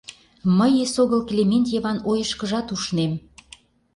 Мый эсогыл Клементьеван ойышкыжат ушнем.